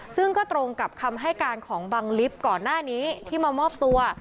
ซึ่งก็ตรงกับคำให้การของบังลิฟต์ก่อนหน้านี้ที่มามอบตัว